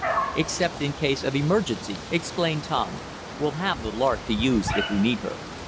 "Except in case of emergency," explained Tom. "We'll have the Lark to use if we need her."